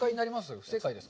不正解ですか？